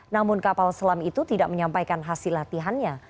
namun kapal selam itu tidak menyampaikan hasil latihannya